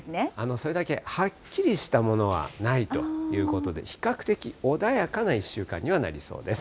それだけはっきりしたものはないということで、比較的穏やかな１週間にはなりそうです。